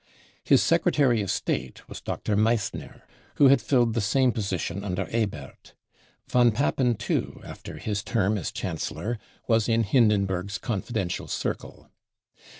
His Secretary of State was Dr. Meissner, who had filled the same position undef Ebert. Von Papen too, after his term as Chancellor, was in Hindenburg's confidential circle.